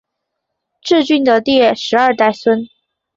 挚峻的第十二代孙。